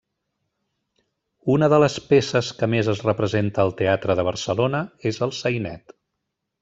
Una de les peces que més es representa al Teatre de Barcelona és el sainet.